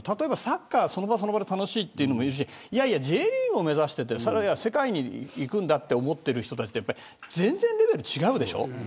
サッカーはその場その場で楽しいという人もいるしＪリーグを目指して世界に行くんだと思ってる人たちって全然レベル違うでしょ。